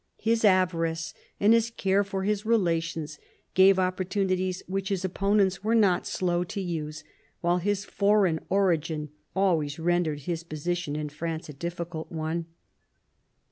His avarice and his care for his relations gave opportunities which his opponents were not slow to use, while his foreign origin always rendered his position in France a difl&cult one.